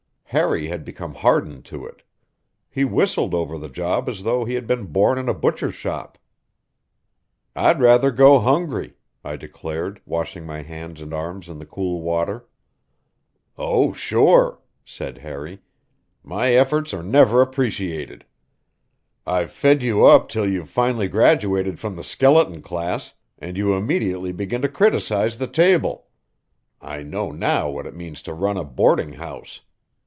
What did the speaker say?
Harry had become hardened to it; he whistled over the job as though he had been born in a butcher's shop. "I'd rather go hungry," I declared, washing my hands and arms in the cool water. "Oh, sure," said Harry; "my efforts are never appreciated. I've fed you up till you've finally graduated from the skeleton class, and you immediately begin to criticize the table. I know now what it means to run a boarding house.